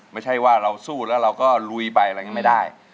ไม่ใช่ว่าเราสู้แล้วเราก็ลุยไปอะไรอย่างนี้ไม่ได้